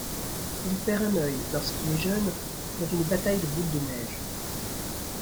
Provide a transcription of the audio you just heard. Il perd un œil lorsqu'il est jeune dans une bataille de boules de neige.